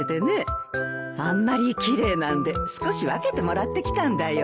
あんまり奇麗なんで少し分けてもらってきたんだよ。